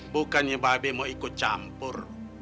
bukannya babi mau ikut campur